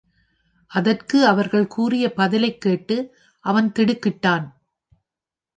அதற்கு அவர்கள் கூறிய பதிலைக் கேட்டு அவன் திடுக்கிட்டான்.